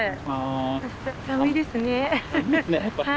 寒いですねハハ。